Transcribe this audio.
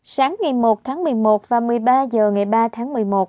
sáng ngày một tháng một mươi một và một mươi ba h ngày ba tháng một mươi một